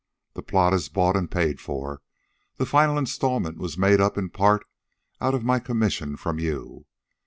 The plot is bought and paid for the final installment was made up, in part, out of my commissions from you.